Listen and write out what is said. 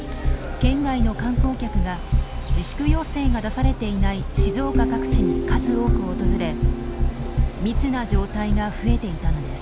県外の観光客が自粛要請が出されていない静岡各地に数多く訪れ密な状態が増えていたのです。